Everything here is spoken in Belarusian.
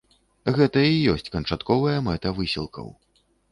Гэта і ёсць канчатковая мэта высілкаў.